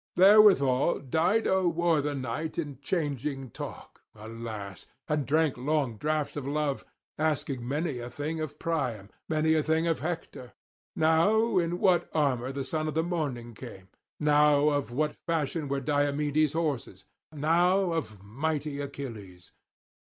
Therewithal Dido wore the night in changing talk, alas! and drank long draughts of love, asking many a thing of Priam, many a thing of Hector; now in what armour the son of the Morning came; now of what fashion were Diomede's horses; now of mighty Achilles.